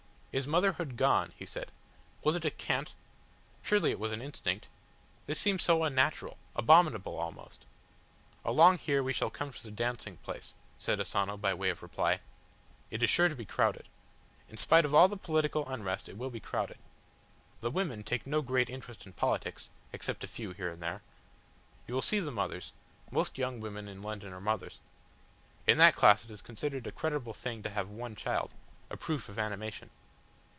"Is motherhood gone?" he said. "Was it a cant? Surely it was an instinct. This seems so unnatural abominable almost." "Along here we shall come to the dancing place," said Asano by way of reply. "It is sure to be crowded. In spite of all the political unrest it will be crowded. The women take no great interest in politics except a few here and there. You will see the mothers most young women in London are mothers. In that class it is considered a creditable thing to have one child a proof of animation.